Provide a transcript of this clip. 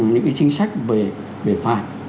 những cái chính sách về phạt